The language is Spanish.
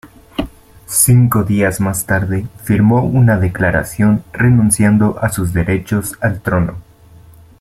Cinco días más tarde firmó una declaración renunciando a sus derechos al trono.